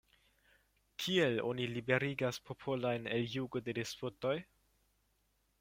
Kiel oni liberigas popolojn el jugo de despotoj?